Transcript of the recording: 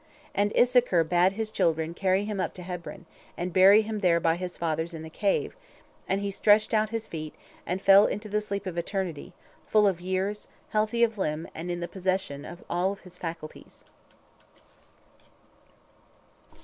And Issachar bade his children carry him up to Hebron, and bury him there by his fathers in the Cave, and he stretched out his feet, and fell into the sleep of eternity, full of years, healthy of limb, and in the possession of all his faculties.